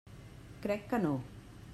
Crec que no.